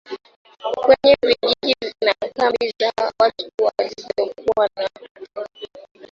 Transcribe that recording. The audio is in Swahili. kwenye vijiji na kambi za watu wasiokuwa na makazi